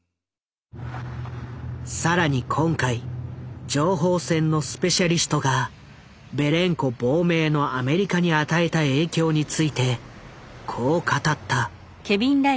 更に今回情報戦のスペシャリストがべレンコ亡命のアメリカに与えた影響についてこう語った。